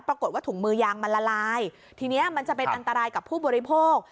ปรากฏว่าถุงมือยางมันละลายทีนี้มันจะเป็นอันตรายกับผู้บริโภค